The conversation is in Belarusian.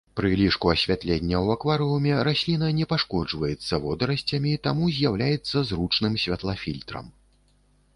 Пры лішку асвятлення ў акварыуме расліна не пашкоджваецца водарасцямі, таму з'яўляецца зручным святлафільтрам.